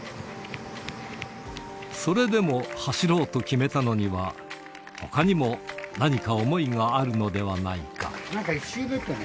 それでも走ろうと決めたのには、ほかにも何か想いがあるのではないか。